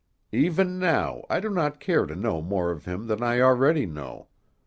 Even now I do not care to know more of him than I already know.